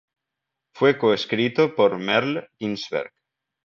Fue co-escrito por Merle Ginsberg.